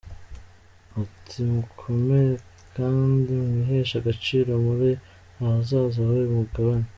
Ati “Mukomere kandi mwiheshe agaciro muri ahazaza h’uyu mugabane.